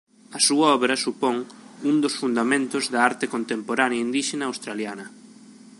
A súa obra supón un dos fundamentos da arte contemporánea indíxena australiana.